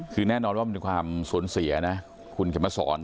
คือแน่นอนว่ามันเป็นความสูญเสียนะคุณเข็มมาสอน